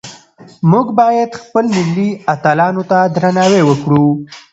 موږ باید خپل ملي اتلانو ته درناوی وکړو.